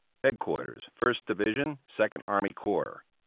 Headquarters First Division Second Army Corps.